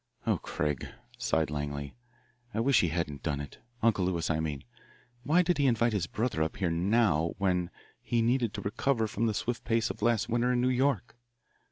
Oh, Craig," sighed Langley, "I wish he hadn't done it Uncle Lewis, I mean. Why did he invite his brother up here now when he needed to recover from the swift pace of last winter in New York?